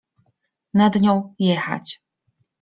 Nad nią — „jechać”.